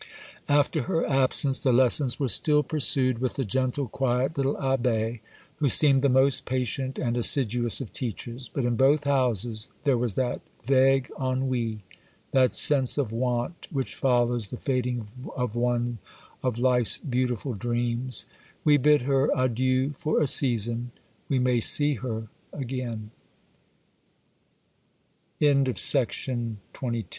After her absence, the lessons were still pursued with the gentle, quiet little Abbé, who seemed the most patient and assiduous of teachers; but, in both houses, there was that vague ennui, that sense of want, which follows the fading of one of life's beautiful dreams! We bid her adieu for a season;—we may see her again.